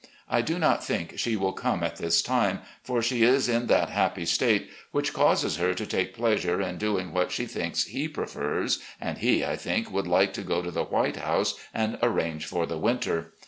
I do not think she will come at this time, for she is in that AN ADVISER OF YOUNG MEN 891 happy state which causes her to take pleasure in ddng what she thinks he prefers, and he, I think, would like to go to the White House and arrange for the winter.